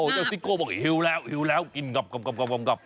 เจ้าซิโก้บอกหิวแล้วกินกลับ